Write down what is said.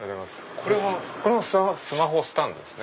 これもスマホスタンドですね。